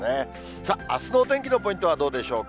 さあ、あすのお天気のポイントはどうでしょうか。